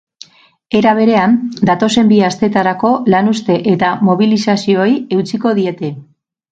Era berean, datozen bi asteetarako lanuzte eta mobilizazioei eutsiko diete.